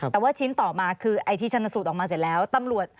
แต่ว่าชิ้นต่อมาคือที่ชนสูตรออกมาเสร็จแล้ว